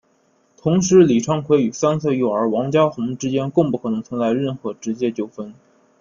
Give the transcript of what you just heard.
同时李昌奎与三岁幼儿王家红之间更不可能存在任何直接纠纷。